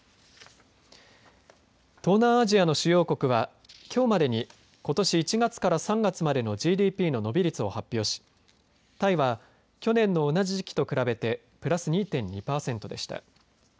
東南アジアの主要国はきょうまでにことし１月から３月までのＧＤＰの伸び率を発表しタイは去年の同じ時期と比べてプラス２．２パーセントでした。